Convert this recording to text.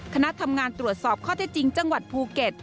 คณะทำงานตรวจสอบข้อเท็จจริงจังหวัดภูเก็ต